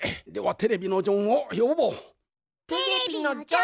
テレビのジョン！